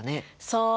そう。